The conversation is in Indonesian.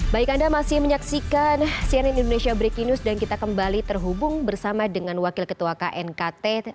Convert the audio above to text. baik anda masih menyaksikan cnn indonesia breaking news dan kita kembali terhubung bersama dengan wakil ketua knkt